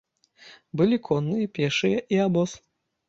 Былі конныя, пешыя і абоз.